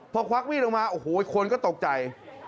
พอควักมีดออกมาโอ้โหคนก็ตกใจ